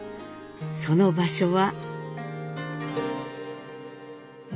その場所は。